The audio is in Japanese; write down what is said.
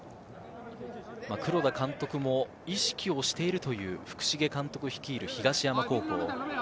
黒田監督も意識をしているという福重監督率いる東山高校。